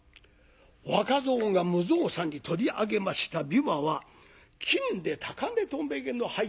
若蔵が無造作に取り上げました琵琶は金で高嶺とめぎの入っております